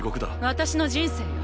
私の人生よ